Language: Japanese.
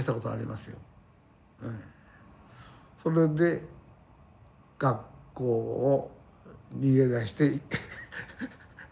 それで学校を逃げ出して。